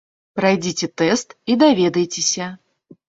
Прайдзіце тэст і даведайцеся!